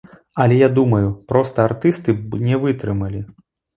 Але я думаю, проста артысты б не вытрымалі!